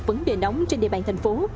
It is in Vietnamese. vấn đề nóng trên địa bàn thành phố